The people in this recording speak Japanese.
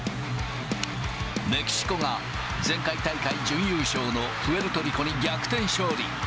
メキシコが前回大会準優勝のプエルトリコに逆転勝利。